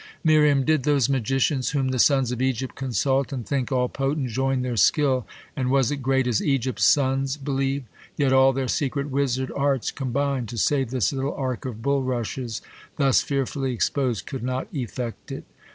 Mir, Did those magician.^;, whom the sons of Egypt Consult, and think all potent, join their skill, And was it great as Egypt's sons believe ; Yet all their secret wizard arts combin'd. To save this little ark of bulrushes, . Thus fearfully expos'd, could not effect it.